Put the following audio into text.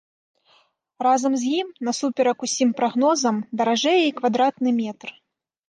Разам з ім, насуперак усім прагнозам, даражэе і квадратны метр.